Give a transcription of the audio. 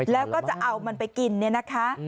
แล้วก็จะเอามันไปกินเนี่ยนะคะ